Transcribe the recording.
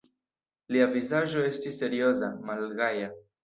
Lia vizaĝo estis serioza, malgaja.